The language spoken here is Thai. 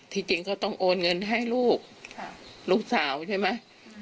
จริงเขาต้องโอนเงินให้ลูกลูกสาวใช่ไหม